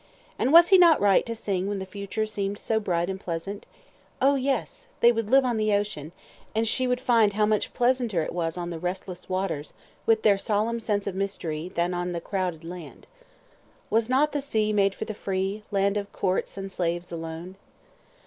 And was he not right to sing when the future seemed so bright and pleasant? Oh, yes! they would live on the ocean, and she would find how much pleasanter it was on the restless waters, with their solemn sense of mystery, than on the crowded land. "Was not the sea Made for the free Land for courts and slaves alone?"